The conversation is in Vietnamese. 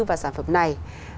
vào sản phẩm này